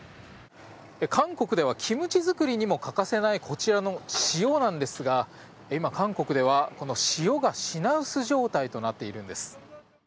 韓国ではキムチ作りにも欠かせないこちらの塩なんですが今、韓国ではこの塩が品薄状態となっているんです。